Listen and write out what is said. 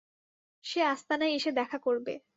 সে আস্তানায় এসে দেখা করবে।